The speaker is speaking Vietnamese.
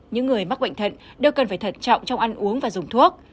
những người mắc bệnh thận đều cần phải thận trọng trong ăn uống và dùng thuốc